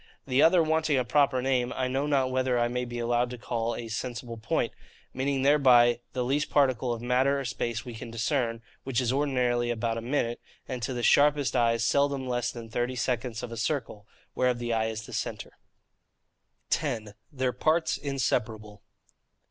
The other, wanting a proper name, I know not whether I may be allowed to call a SENSIBLE POINT, meaning thereby the least particle of matter or space we can discern, which is ordinarily about a minute, and to the sharpest eyes seldom less than thirty seconds of a circle, whereof the eye is the centre. 10. Their Parts inseparable.